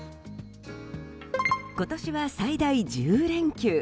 今年は最大１０連休！